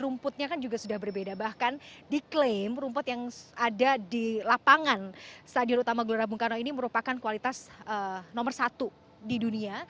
rumputnya kan juga sudah berbeda bahkan diklaim rumput yang ada di lapangan stadion utama gelora bung karno ini merupakan kualitas nomor satu di dunia